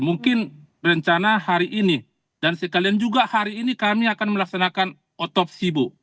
mungkin rencana hari ini dan sekalian juga hari ini kami akan melaksanakan otopsi bu